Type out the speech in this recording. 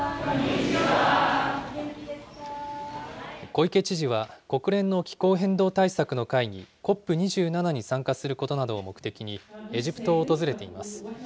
小池知事は、国連の気候変動対策の会議、ＣＯＰ２７に参加することなどを目的にエジプトを訪れています。